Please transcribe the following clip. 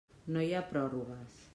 No hi ha pròrrogues.